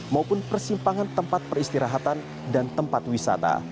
maupun persimpangan tempat peristirahatan dan tempat wisata